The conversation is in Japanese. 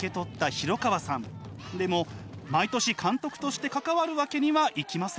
でも毎年監督として関わるわけにはいきません。